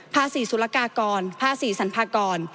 ภาษีสุรกากรภาษีสรรพากร